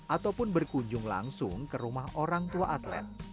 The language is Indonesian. ataupun berkunjung langsung ke rumah orang tua atlet